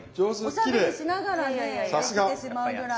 おしゃべりしながらやってしまうぐらい。